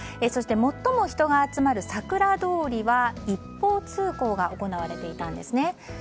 そして、最も人が集まるさくら通りは一方通行が行われていたんですね。